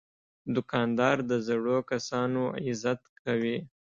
دوکاندار د زړو کسانو عزت کوي.